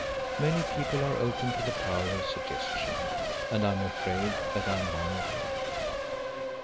Many people are open to the power of suggestion, and I am afraid that I am one of them.